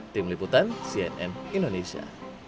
tim liputan cnn indonesia